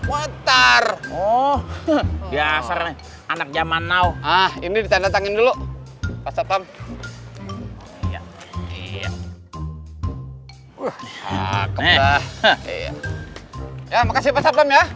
kue tar oh biasa anak zaman now ini ditandatangin dulu pasapam ya makasih ya